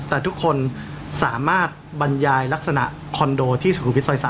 แต่ทุกคนสามารถบรรยายลักษณะคอนโดที่สุขุมวิทซอย๓